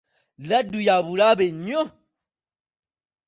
Laddu ya bulabe nnyo.